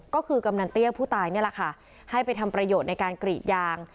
ก็คือกำนันเตี้ยผู้ตายนี่แหละค่ะให้ไปทำประโยชน์ในการกรีดยาง